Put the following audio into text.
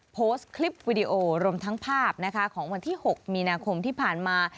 โพสต์คลิปวิดีโอรวมทั้งภาพนะคะของวันที่๖มีนาคมที่ผ่านมา